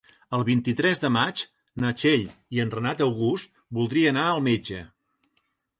El vint-i-tres de maig na Txell i en Renat August voldria anar al metge.